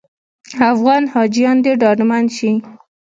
افغان حاجیان دې ډاډمن شي.